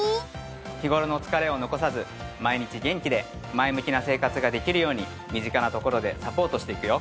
日頃の疲れを残さず毎日元気で前向きな生活ができるように身近なところでサポートしていくよ